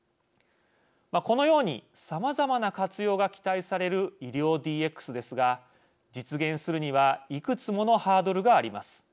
このようにさまざまな活用が期待される医療ＤＸですが実現するにはいくつものハードルがあります。